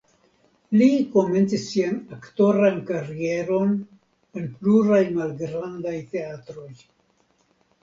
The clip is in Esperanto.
Li komencis sian aktoran karieron en pluraj malgrandaj teatroj.